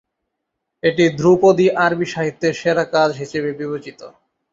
এটি ধ্রুপদী আরবী সাহিত্যের সেরা কাজ হিসাবে বিবেচিত।